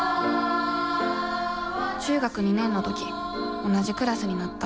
中学２年の時同じクラスになった。